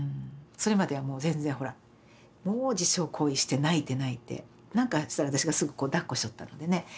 それまではもう全然ほらもう自傷行為して泣いて泣いて何かしたら私がすぐだっこしよったのでね。